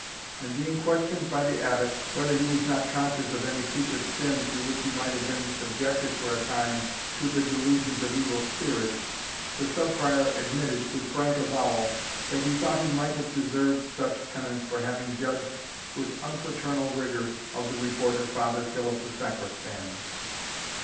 And being questioned by the Abbot, whether he was not conscious of any secret sin, through which he might have been subjected for a time to the delusions of evil spirits, the Sub Prior admitted, with frank avowal, that he thought he might have deserved such penance for having judged with unfraternal rigour of the report of Father Philip the Sacristan.